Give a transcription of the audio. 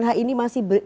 apakah mungkin onh ini